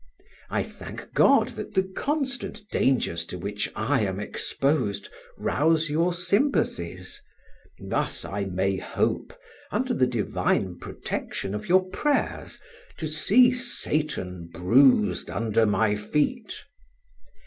I thank God that the constant dangers to which I am exposed rouse your sympathies. Thus I may hope, under the divine protection of your prayers, to see Satan bruised under my feet.